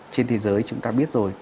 trên thế giới chúng ta biết rồi